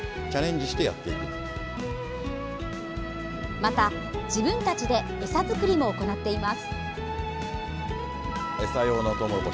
また、自分たちでエサ作りも行っています。